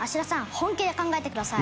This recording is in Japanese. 本気で考えてください。